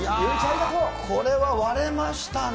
これは割れましたね。